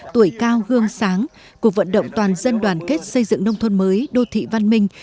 tuổi cao gương sáng cuộc vận động toàn dân đoàn kết xây dựng nông thôn mới đô thị văn minh